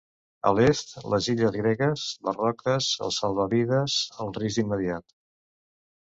A l’est, les illes gregues: les roques, el salvavides, el risc immeditat.